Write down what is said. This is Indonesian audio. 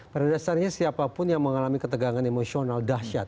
pada dasarnya siapapun yang mengalami ketegangan emosional dahsyat